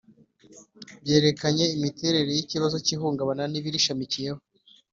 Bwerekanye imiterere y ikibazo cy ihungabana n ibirishamikiyeho